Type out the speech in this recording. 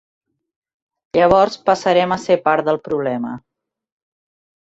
Llavors passarem a ser part del problema.